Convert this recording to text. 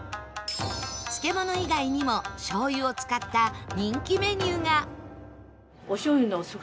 漬物以外にも醤油を使った人気メニューが